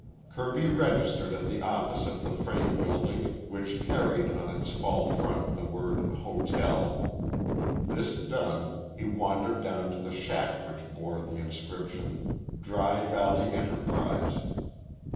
Kirby registered at the office of the frame building which carried on its false front the word HOTEL. This done, he wandered down to the shack which bore the inscription, "Dry Valley Enterprise."